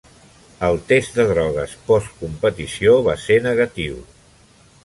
El test de drogues post-competició va ser negatiu.